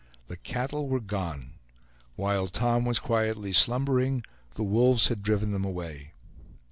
The cattle were gone! While Tom was quietly slumbering, the wolves had driven them away.